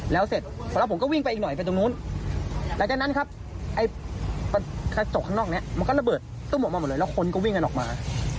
แล้วเสร็จแล้วผมก็วิ่งไปอีกหน่อยไปตรงนู้นหลังจากนั้นครับไอ้กระจกข้างนอกนี้มันก็ระเบิดตุ้มออกมาหมดเลยแล้วคนก็วิ่งกันออกมา